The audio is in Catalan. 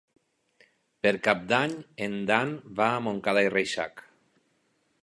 Per Cap d'Any en Dan va a Montcada i Reixac.